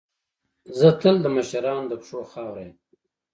زه تل د مشرانو د پښو خاوره یم.